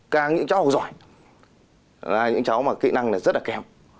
càng những cháu học giỏi là những cháu mà kỹ năng rất là kém